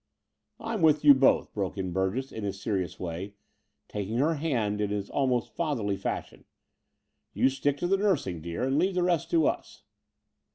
"I'm with you both," broke in Btu gess in his serious way, taking her hand in his almost fatherly fashion. "You stick to the nursing, dear, and leave the rest to us."